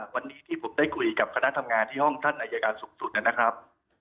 วันนี้ที่ผมได้คุยกับคณะทำงานที่ห้องท่านอายการสูงสุดนะครับ